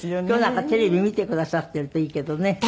今日なんかテレビ見てくださってるといいけどね。